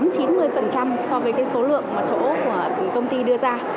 so với số lượng chỗ của công ty đưa ra